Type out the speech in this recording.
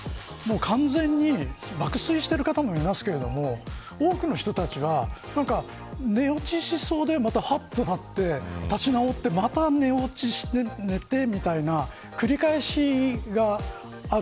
完全に爆睡している方もいますけど多くの人たちは寝落ちしそうでまた、はっとなって立ち直ってまた寝落ちして、みたいな繰り返しがある。